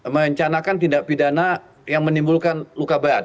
merencanakan tindak pidana yang menimbulkan luka berat